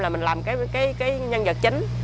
là mình làm cái nhân vật chính